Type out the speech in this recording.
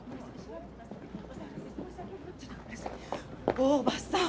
大庭さん！